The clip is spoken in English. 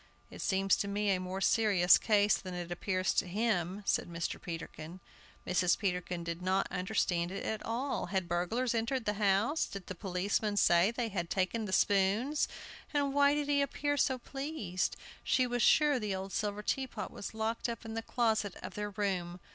"It seems to me a more serious case than it appears to him," said Mr. Peterkin. Mrs. Peterkin did not understand it at all. Had burglars entered the house? Did the policeman say they had taken spoons? And why did he appear so pleased? She was sure the old silver teapot was locked up in the closet of their room.